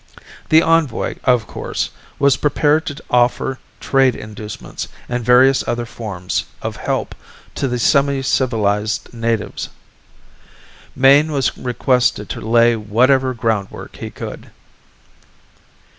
The envoy, of course, was prepared to offer trade inducements and various other forms of help to the semi civilized natives. Mayne was requested to lay whatever groundwork he could.